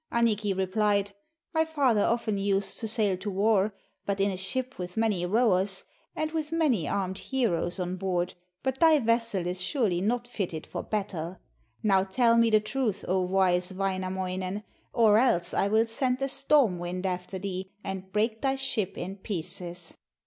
Annikki replied: 'My father often used to sail to war, but in a ship with many rowers, and with many armed heroes on board, but thy vessel is surely not fitted for battle. Now tell me the truth, O wise Wainamoinen, or else I will send a storm wind after thee and break thy ship in pieces.'